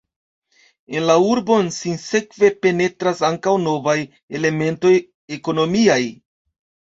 En la urbon sinsekve penetras ankaŭ novaj elementoj ekonomiaj.